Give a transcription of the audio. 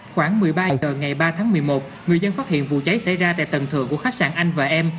khoảng một mươi ba h ngày ba tháng một mươi một người dân phát hiện vụ cháy xảy ra tại tầng thượng của khách sạn anh và em